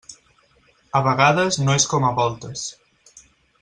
A vegades no és com a voltes.